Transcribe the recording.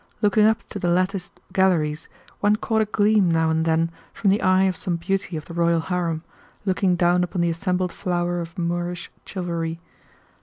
Looking up to the latticed galleries, one caught a gleam now and then from the eye of some beauty of the royal harem, looking down upon the assembled flower of Moorish chivalry.